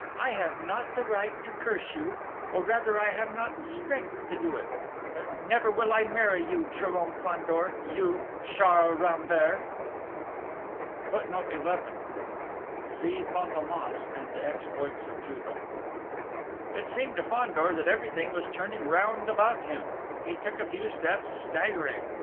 I have not the right to curse you or rather I have not the strength to do it; but never will I marry you, Jérôme Fandor, you, Charles Rambert!..." [Footnote 11: See Fantômas and The Exploits of Juve.] It seemed to Fandor that everything was turning round about him.... He took a few steps, staggering.